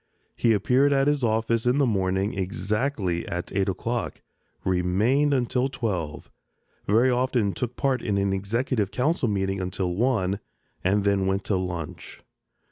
He appeared at his office in the morning exactly at eight o'clock, remained until twelve, very often took part in an Executive Council meeting until one, and then went to lunch.